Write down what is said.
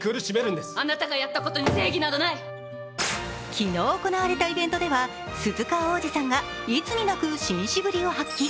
昨日行われたイベントでは鈴鹿央士さんがいつになく紳士ぶりを発揮。